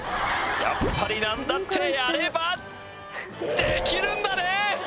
やっぱり何だってやればできるんだね